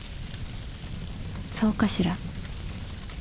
「そうかしら。